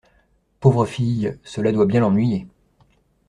Pauvre fille ! cela doit bien l’ennuyer.